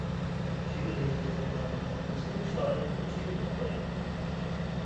شېئىر يازىدىغانلارنىڭ ھەممىسىنىڭ شائىر بولۇشى ناتايىن.